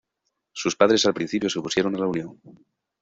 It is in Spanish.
Sus padres al principio se opusieron a la unión.